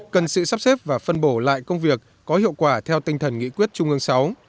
cần sự sắp xếp và phân bổ lại công việc có hiệu quả theo tinh thần nghị quyết trung ương sáu